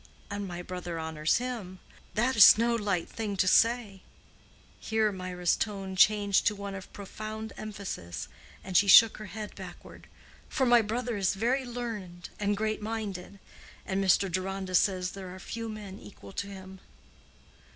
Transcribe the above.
And my brother honors him. That is no light thing to say"—here Mirah's tone changed to one of profound emphasis, and she shook her head backward: "for my brother is very learned and great minded. And Mr. Deronda says there are few men equal to him."